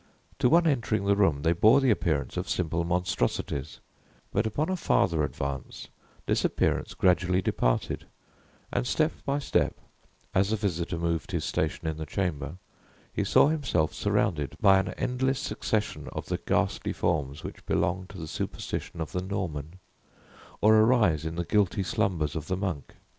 To one entering the room, they bore the appearance of simple monstrosities; but upon a farther advance, this appearance gradually departed; and, step by step, as the visitor moved his station in the chamber, he saw himself surrounded by an endless succession of the ghastly forms which belong to the superstition of the Norman, or arise in the guilty slumbers of the monk.